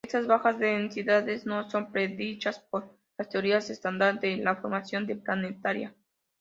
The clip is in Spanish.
Estas bajas densidades no son predichas por las teorías estándar de formación de planetaria.